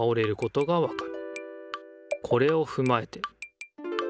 これをふまえて。